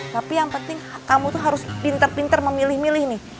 tapi yang penting kamu tuh harus pinter pinter memilih milih nih